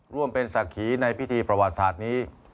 ร่วมเป็นศักดิ์ขีในพิธีประวัติศาสตร์นี้